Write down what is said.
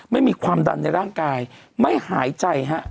ไม่มีความดันในร่างกายไม่หายใจฮะ